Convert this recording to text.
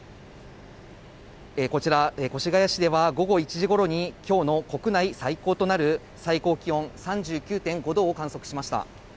こちら越谷市では、午後１時ごろにきょうの国内最高となる、最高気温３９．５度を観測しました。